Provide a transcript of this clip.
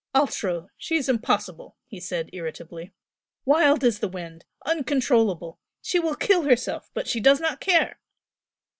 "Altro! She is impossible!" he said irritably "Wild as the wind! uncontrollable! She will kill herself! but she does not care!"